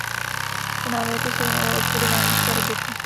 Po návratu se věnoval obchodování v Karibiku.